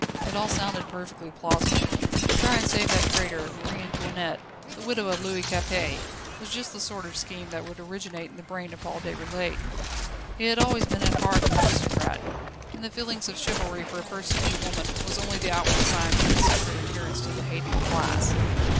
It all sounded perfectly plausible. To try and save that traitor, Marie Antoinette, the widow of Louis Capet, was just the sort of scheme that would originate in the brain of Paul Déroulède. He had always been at heart an aristocrat, and the feeling of chivalry for a persecuted woman was only the outward signs of his secret adherence to the hated class.